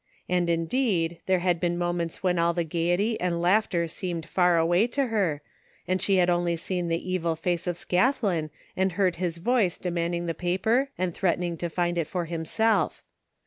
And indeed, there had been moments when all the gaiety and laughter seemed far away to 'her, and she had only seen the evil face of Scathlin and heard his voice demanding the paper and threatening to find it for himself.